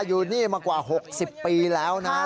พระขู่คนที่เข้าไปคุยกับพระรูปนี้